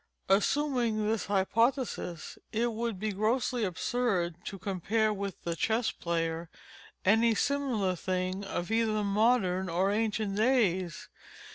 Assuming this hypothesis, it would be grossly absurd to compare with the Chess Player, any similar thing of either modern or ancient days.